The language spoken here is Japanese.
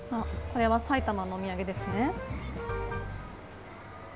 これは埼玉のお土産ですね。